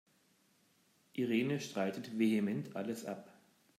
Irene streitet vehement alles ab.